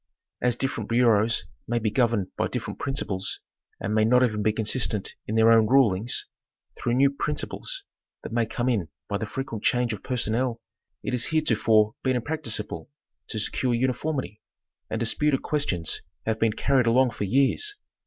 As different bureaus may be governed by different principles, and may not even be consistent in their own rulings, through new principles that may come in by the frequent change of personnel, it has heretofore been impracticable to secure uniformity, and dis puted questions have been carried along for years.